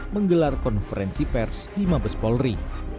menggelar konferensi pers di mabes polri